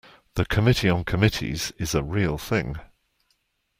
The Committee on Committees is a real thing.